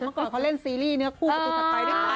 เมื่อก่อนเขาเล่นซีรีส์เนื้อคู่ประตูถัดไปด้วยนะ